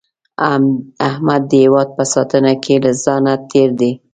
احمد د هیواد په ساتنه کې له ځانه تېر دی.